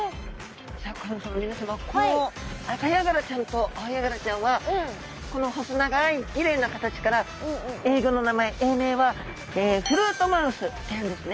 シャーク香音さま皆さまこのアカヤガラちゃんとアオヤガラちゃんはこの細長いきれいな形から英語の名前英名はフルートマウスっていうんですね。